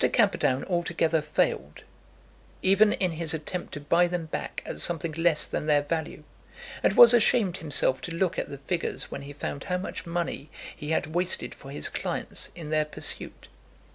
Camperdown altogether failed, even in his attempt to buy them back at something less than their value, and was ashamed himself to look at the figures when he found how much money he had wasted for his clients in their pursuit.